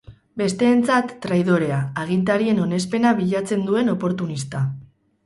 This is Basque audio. Besteentzat traidorea, agintarien onespena bilatzen duen oportunista.